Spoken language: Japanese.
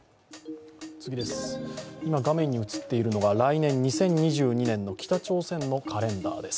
今画面に映っているのは来年２０２２年の北朝鮮のカレンダーです。